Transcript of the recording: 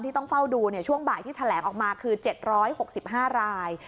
ต้องเฝ้าดูช่วงบ่ายที่แถลงออกมาคือ๗๖๕ราย